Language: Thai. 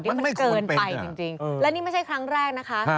มันไม่ควรเป็นที่มันเกินไปจริงจริงและนี่ไม่ใช่ครั้งแรกนะคะ